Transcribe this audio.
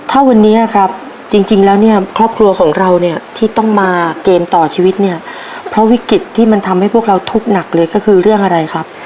ถ้าวันนี้ครับจริงแล้วเนี่ยครอบครัวของเราเนี่ยที่ต้องมาเกมต่อชีวิตเนี่ยเพราะวิกฤตที่มันทำให้พวกเราทุกข์หนักเลยก็คือเรื่องอะไรครับ